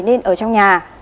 nên ở trong nhà